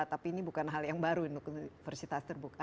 tapi ini bukan hal yang baru untuk universitas terbuka